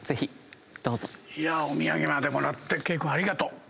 お土産までもらってありがとう。